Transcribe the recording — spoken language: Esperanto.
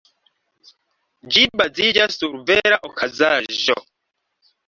Ĝi baziĝas sur vera okazaĵo.